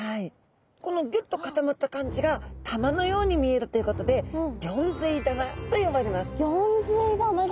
このギュッと固まった感じが玉のように見えるということでギョンズイ玉と呼ばれます。